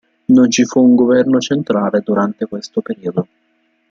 Non ci fu un governo centrale durante questo periodo.